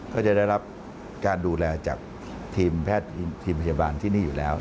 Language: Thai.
ก็จะได้รับการดูแลจากทีมแพทย์ทีมพยาบาลที่นี่อยู่แล้ว